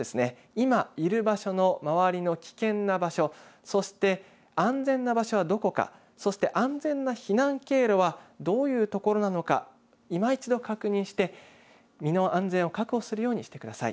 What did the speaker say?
今いる場所の周りの危険な場所そして、安全な場所はどこかそして、安全な避難経路はどういうところなのか今一度、確認して身の安全を確保するようにしてください。